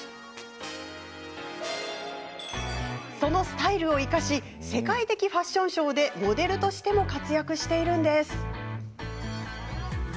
そのスタイルを生かし世界的ファッションショーでモデルとしても活躍しているんです。